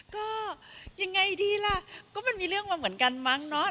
ก็ยังไงดีล่ะก็มันมีเรื่องมาเหมือนกันมั้งเนาะ